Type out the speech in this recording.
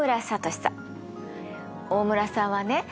大村さんはね